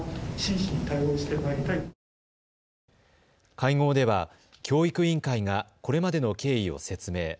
会合では教育委員会がこれまでの経緯を説明。